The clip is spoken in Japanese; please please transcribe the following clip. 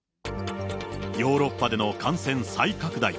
ヨーロッパでの感染再拡大。